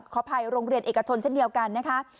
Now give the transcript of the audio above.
ขออภัยโรงเรียนเอกชนเช่นเดียวกันนะคะ